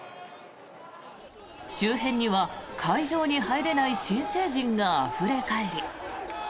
周辺には会場に入れない新成人があふれ返り。